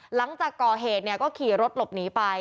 หลังจากก่อเหตุก็ขี่รถหลบหนีไป